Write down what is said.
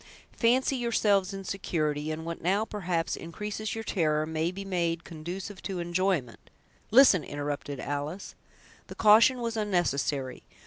Fancy yourselves in security, and what now, perhaps, increases your terror, may be made conducive to enjoyment—" "Listen!" interrupted Alice. The caution was unnecessary.